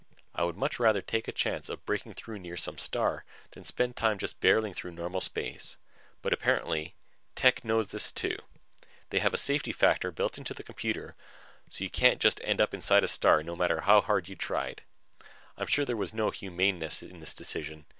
I would much rather take a chance of breaking through near some star than spend time just barreling through normal space, but apparently Tech knows this, too. They had a safety factor built into the computer so you couldn't end up inside a star no matter how hard you tried. I'm sure there was no humaneness in this decision.